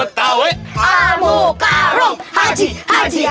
assalamu'alaikum warahmatullahi wabarakatuh